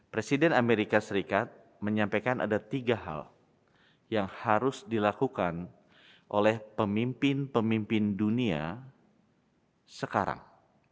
presiden amerika serikat menyampaikan ada tiga hal yang harus dilakukan oleh pemimpin pemimpin dunia sekarang